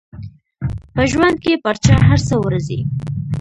په ژوند کې پر چا هر څه ورځي.